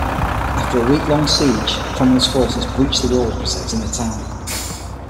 After a week-long siege, Cromwell's forces breached the walls protecting the town.